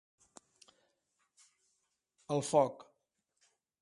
El foc.